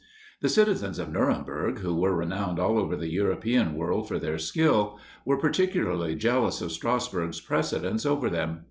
The citizens of Nuremberg, who were renowned all over the European world for their skill, were particularly jealous of Strassburg's precedence over them.